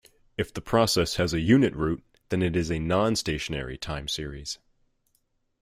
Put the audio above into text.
If the process has a unit root, then it is a non-stationary time series.